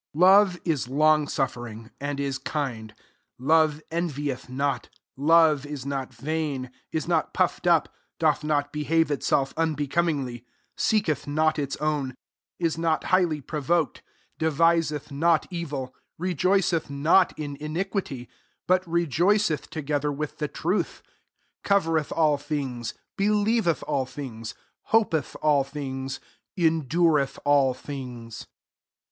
4 Love is long suffering, and is kind ; love envieth not ; love is not vaiur is not puffed up, 5 doth not behave itself unbe comingly, seeketh not its own, is not highly provoked, deviseth not evil, 6 rejoiceth not in ini quity, but rejoiceth together with the truth ; 7 covereth all things, believeth all things, hopeth all things, endureth all things.